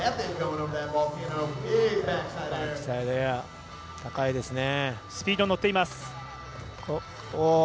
バックサイドエア、高いですね。